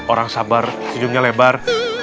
orang sabar sejumlah lebar